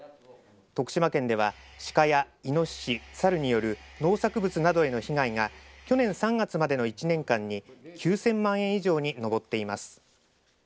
徳島県ではシカやイノシシ、サルによる農作物などへの被害が去年３月までの１年間に９０００万円以上に上っています。